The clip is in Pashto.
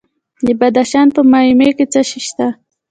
د بدخشان په مایمي کې څه شی شته؟